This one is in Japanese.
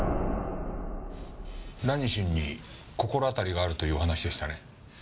ラニシンに心当たりがあるというお話でしたね。